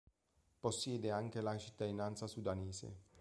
Possiede anche la cittadinanza sudanese.